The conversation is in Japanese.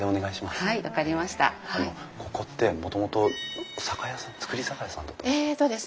あのここってもともと酒屋さん造り酒屋さんだったんですか？